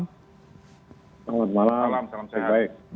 selamat malam selamat siang